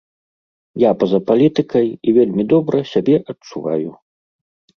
Я па-за палітыкай і вельмі добра сябе адчуваю.